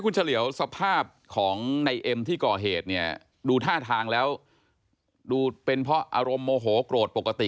คุณเฉลียวสภาพของในเอ็มที่ก่อเหตุเนี่ยดูท่าทางแล้วดูเป็นเพราะอารมณ์โมโหโกรธปกติ